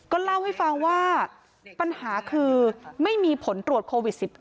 เล่าให้ฟังว่าปัญหาคือไม่มีผลตรวจโควิด๑๙